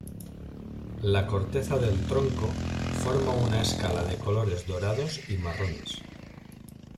La corteza del tronco forma una escala de colores dorados y marrones.